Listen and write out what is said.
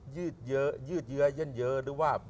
ยืดเยอะยื่นเยอะหรือว่า